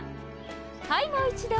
はいもう一度。